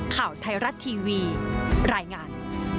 ข่าวไทยรัฐทีวีรายงาน